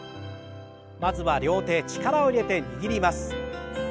まずは両手力を入れて握ります。